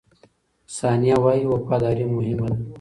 ثانیه وايي، وفاداري مهمه ده.